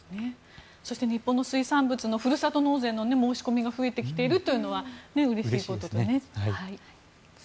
日本の水産物のふるさと納税の申し込みが増えてきているのはうれしいことですね。